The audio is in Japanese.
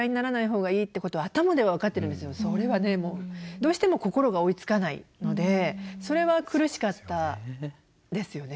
どうしても心が追いつかないのでそれは苦しかったですよね。